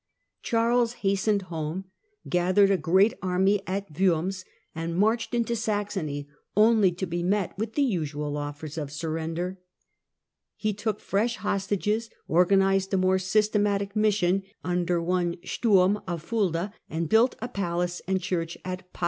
Charles hastened home, gathered a great army at Worms, and marched into Saxony, only to be met with the usual offers of surrender. He took fresh hostages, organised a more systematic mission, under one Sturm of Fulda, and built a palace and church at Paderborn.